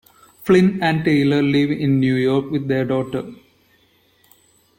Flynn and Taylor live in New York with their daughter.